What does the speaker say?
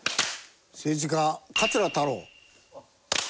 政治家桂太郎。